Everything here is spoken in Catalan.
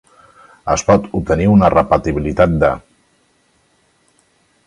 Es pot obtenir una repetibilitat de.